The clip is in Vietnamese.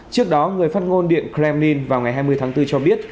trước đó người phát ngôn điện kremlin vào ngày hai mươi tháng bốn cho biết